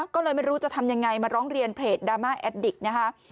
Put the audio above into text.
ก็เลยไม่รู้จะทำยังไงมาร้องเรียนเพจดราม่าแอดดิกนะคะ